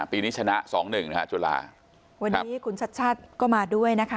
ปีนี้ชนะสองหนึ่งนะฮะจุฬาวันนี้คุณชัดชาติก็มาด้วยนะคะ